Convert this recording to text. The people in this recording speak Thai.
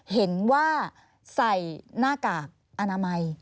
เห็นว่าใส่หน้ากากอนามัย